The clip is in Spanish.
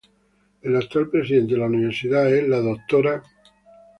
El actual presidente de la universidad es la Dra.